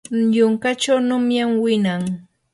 yunkachaw nunyam winan.